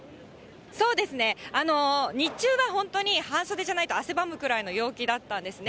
そうですね、日中は本当に半袖じゃないと汗ばむくらいの陽気だったんですね。